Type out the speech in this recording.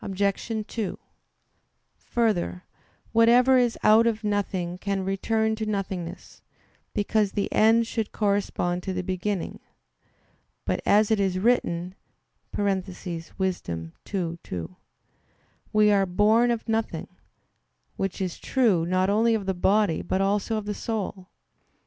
2: Further, whatever is out of nothing can return to nothingness; because the end should correspond to the beginning. But as it is written (Wis. 2:2), "We are born of nothing"; which is true, not only of the body, but also of the soul.